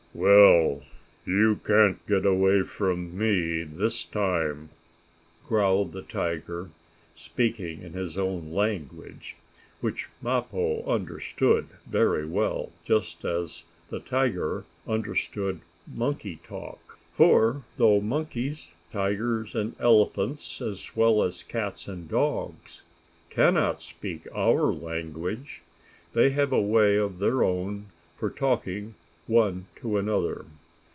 "Well, you can't get away from me this time!" growled the tiger, speaking in his own language, which Mappo understood very well, just as the tiger understood the monkey talk. For, though monkeys, tigers and elephants, as well as cats and dogs, cannot speak our language, they have a way of their own for talking one to another.